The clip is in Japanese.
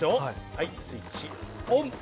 はいスイッチオン！